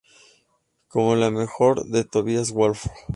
Como lo mejor de Tobias Wolff.